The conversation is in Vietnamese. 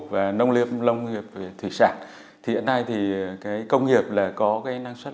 và nông nghiệp nông nghiệp về thủy sản thì hiện nay công nghiệp có năng suất